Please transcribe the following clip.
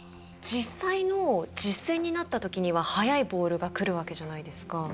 実際の実戦になった時には速いボールが来るわけじゃないですか。